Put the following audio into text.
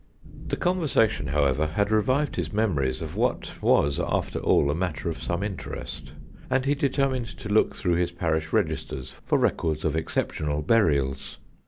The conversation, however, had revived his memories of what was, after all, a matter of some interest, and he determined to look through his parish registers for records of exceptional burials.